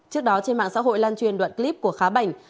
trước đó trên mạng xã hội lan truyền đoạn clip của khá bảnh